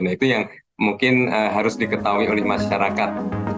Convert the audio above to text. nah itu yang mungkin harus diketahui oleh masyarakat